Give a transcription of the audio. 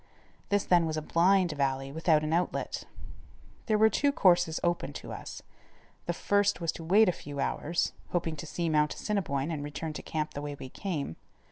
This then was a "blind" valley without an outlet. There were two courses open to us. The first was to wait a few hours, hoping to see Mount Assiniboine and return to camp the way we came.